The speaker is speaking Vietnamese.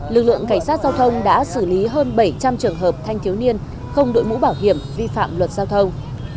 lực lượng cảnh sát giao thông đã xử lý hơn bảy trăm linh trường hợp thanh thiếu niên không đội mũ bảo hiểm vi phạm luật giao thông